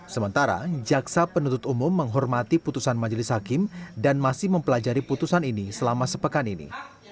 sementara jaksa penuntut umum menghormati putusan majelis hakim dan masih mempelajari putusan ini selama sepekan ini